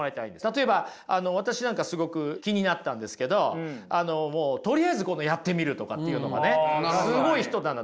例えば私なんかすごく気になったんですけどとりあえずやってみるとかっていうのもねすごい人だなと。